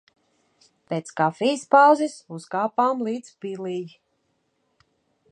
Pēc kafijas pauzes uzkāpām līdz pilij.